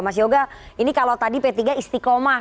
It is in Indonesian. mas yoga ini kalau tadi p tiga istiqomah